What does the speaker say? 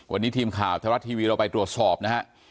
วันนี้ทีมข่าวไทยรัฐทีวีเราไปตรวจสอบนะฮะ